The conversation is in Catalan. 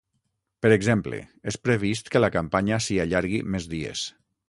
Per exemple, és previst que la campanya s’hi allargui més dies.